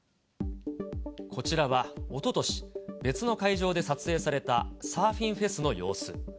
こちらは、おととし、別の会場で撮影されたサーフィンフェスの様子。